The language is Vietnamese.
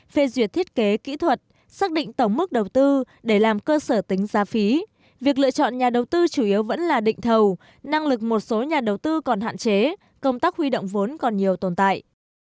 phê duyệt thiết kế kỹ thuật xác định tổng mức đầu tư để làm cơ sở tính giá phí việc lựa chọn nhà đầu tư chủ yếu vẫn là định thầu năng lực một số nhà đầu tư còn hạn chế công tác huy động vốn còn nhiều tồn tại